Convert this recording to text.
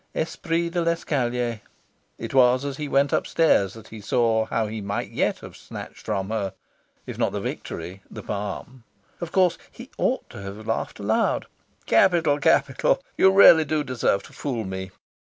Esprit de l'escalier it was as he went upstairs that he saw how he might yet have snatched from her, if not the victory, the palm. Of course he ought to have laughed aloud "Capital, capital! You really do deserve to fool me.